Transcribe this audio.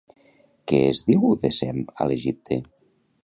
Què es diu de Sem a l'Egipte?